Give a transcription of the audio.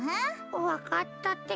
わかったってか。